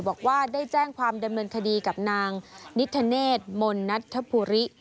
บอกว่าได้แจ้งความดำเนินคดีกับนางนิทธเนธมนต์นัทธภูริ